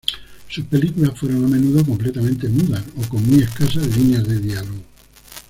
Sus películas fueron a menudo completamente mudas, o con muy escasas líneas de diálogo.